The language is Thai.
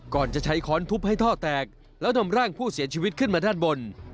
ก่อนจะใช้ค้อนทุบให้ท่อแตกแล้วนำร่างผู้เสียชีวิตขึ้นมาด้านบน